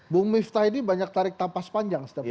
bung miftah ini banyak tarik tapas panjang